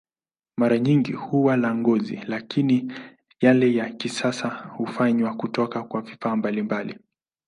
Mara nyingi huwa la ngozi, lakini yale ya kisasa hufanywa kutoka kwa vifaa mbalimbali.